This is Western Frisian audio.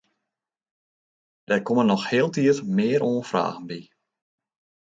Der komme noch hieltyd mear oanfragen by.